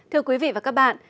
thưa quý vị và các bạn